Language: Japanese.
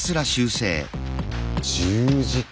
１０時間！